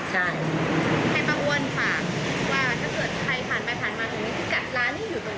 ให้ป้าอ้วนฝากว่าถ้าเกิดใครผ่านไปผ่านมาตรงนี้